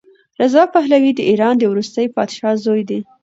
رضا پهلوي د ایران د وروستي پادشاه زوی دی.